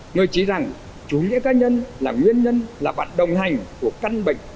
người chỉ rằng chủ nghĩa cá nhân là nguyên nhân là bạn đồng hành của căn bệnh